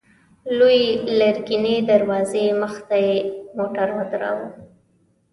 لويې لرګينې دروازې مخته يې موټر ودراوه.